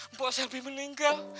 mpok sampi meninggal